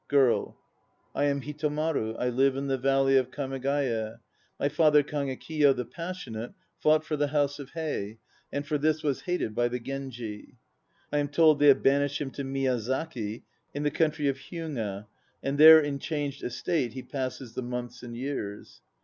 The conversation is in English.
GIRL. I am Hitomaru. I live in the valley of Kamegaye. My father Kagekiyo the Passionate fought for the House of Hei * and for this was hated by the Genji. 2 I am told they have banished him to Miya zaki in the country of Hyuga, and there in changed estate he passes the months and years.